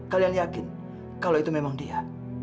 kalian yakin kalau itu memang dia